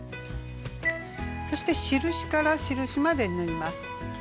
そして印から印まで縫います。